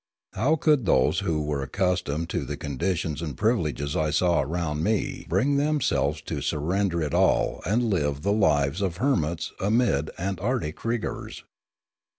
How could those who were accustomed to the conditions and privileges I saw around me bring themselves to surrender it all and live the lives of hermits amid antarctic rigours